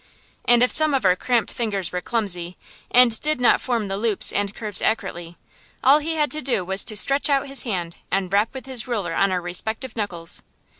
And if some of our cramped fingers were clumsy, and did not form the loops and curves accurately, all he had to do was to stretch out his hand and rap with his ruler on our respective knuckles.